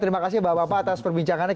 terima kasih bapak bapak atas perbincangannya